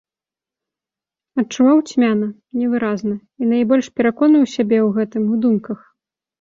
Адчуваў цьмяна, невыразна і найбольш пераконваў сябе ў гэтым у думках.